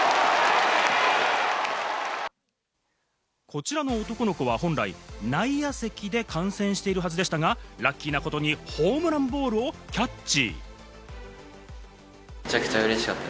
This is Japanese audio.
こちらの男の子は本来、内野席で観戦しているはずでしたが、ラッキーなことにホームランボールをキャッチ。